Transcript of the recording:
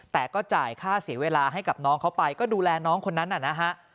แต่ก็จ่ายค่าเสียเวลาให้กับน้องเขาไปก็ดูแลน้องคนนั้นน่ะนะฮะ